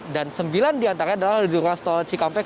dan sembilan diantaranya adalah di ruas tol cikampek